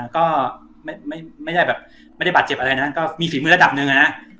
ก็ไม่ได้บาดเจ็บอะไรนะก็มีฝีมือระดับนึง